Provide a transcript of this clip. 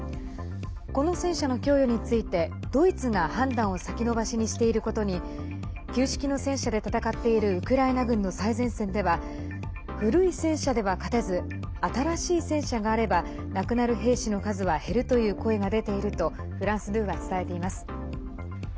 この戦車の供与についてドイツが判断を先延ばしにしていることに旧式の戦車で戦っているウクライナ軍の最前線では古い戦車では勝てず新しい戦車があれば亡くなる兵士の数は減るという声が出ているとフランス２は伝えています。